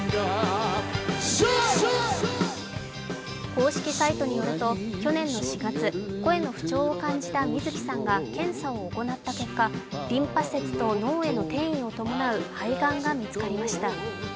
公式サイトによると去年４月、声の不調を感じた水木さんが検査を行った結果リンパ節と脳への転移を伴う肺がんが見つかりました。